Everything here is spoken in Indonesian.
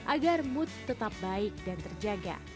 agar mood tetap baik dan terjaga